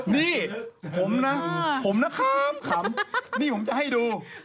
นี่ผมนะผมนะครับขำนี่ผมจะให้ดู